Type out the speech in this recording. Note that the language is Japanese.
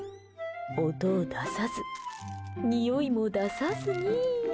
音を出さず、においも出さずに。